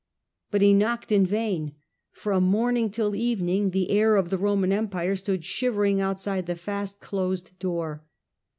But he knocked in vain ; from morning till evening the heir of the Roman Empire stood shivering outside the fast dosed door.